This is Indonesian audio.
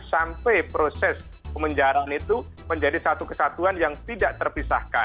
sampai proses pemenjaraan itu menjadi satu kesatuan yang tidak terpisahkan